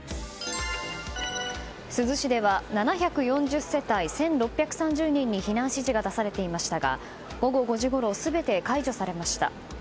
珠洲市では７４０世帯１６３０人に避難指示が出されていましたが午後５時ごろ全て解除されました。